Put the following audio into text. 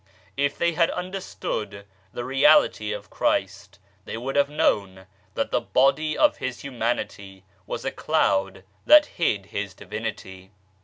" If they had understood the Reality of Christ, they would have known that the Body of His humanity was a cloud that hid His Divinity.